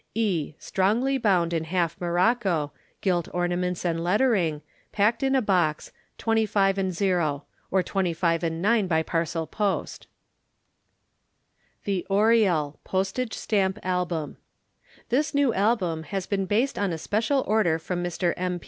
E. Strongly bound in half morocco, gilt ornaments and lettering; packed in a box, 25/ , or 25/9 by parcel post. THE ORIEL Postage Stamp Album. This new album has been based on a special order from Mr. M.